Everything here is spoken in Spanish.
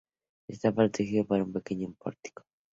Está protegida por un pequeño pórtico.